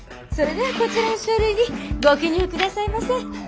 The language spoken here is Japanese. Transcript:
それではこちらの書類にご記入くださいませ。